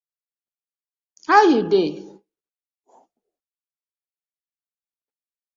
How yu dey?